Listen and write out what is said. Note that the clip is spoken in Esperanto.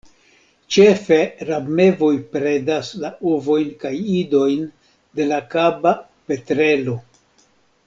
Ĉefe rabmevoj predas la ovojn kaj idojn de la Kaba petrelo.